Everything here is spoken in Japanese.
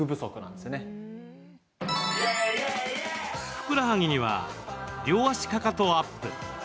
ふくらはぎには両脚かかとアップ。